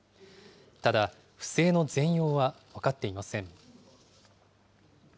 ただ、不正の全容は分かっていません。